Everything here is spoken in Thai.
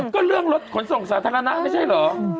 ก็เรื่องรถขนส่งสาธารณะไม่ใช่เหรอ